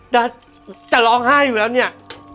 แต่จะร้องไห้อยู่แล้วเนี่ย